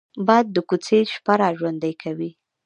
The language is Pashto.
باد د کوڅې شپه را ژوندي کوي